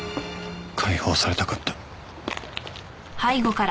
解放されたかった。